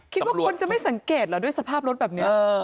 คิดว่าคนจะไม่สังเกตเหรอด้วยสภาพรถแบบนี้